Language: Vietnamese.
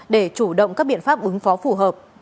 để chủ động các biện pháp ứng phó phù hợp